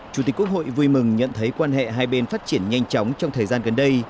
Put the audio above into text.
chủ tịch quốc hội vui mừng nhận thấy quan hệ hai bên phát triển nhanh chóng trong thời gian gần đây